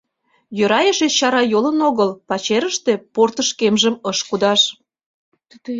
Йӧра эше чарайолын огыл, пачерыште портышкемжым ыш кудаш...